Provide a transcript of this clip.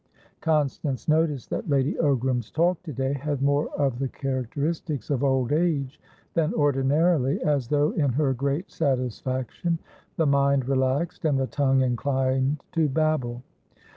Constance noticed that Lady Ogram's talk to day had more of the characteristics of old age than ordinarily, as though, in her great satisfaction, the mind relaxed and the tongue inclined to babble.